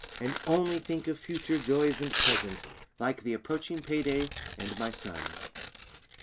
And only think of future joys and present, Like the approaching payday, and my son.